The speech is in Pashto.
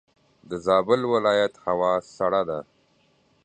دزابل ولایت هوا سړه ده.